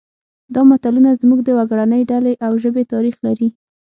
دا متلونه زموږ د وګړنۍ ډلې او ژبې تاریخ لري